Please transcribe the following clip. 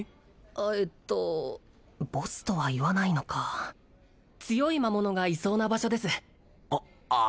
あっえっとボスとは言わないのか強い魔物がいそうな場所ですあ！